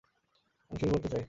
আমি শুরু করতে চাই!